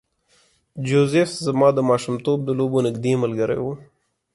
جوزف زما د ماشومتوب د لوبو نږدې ملګری و